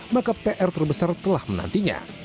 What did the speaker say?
maka pr terbesar telah menantinya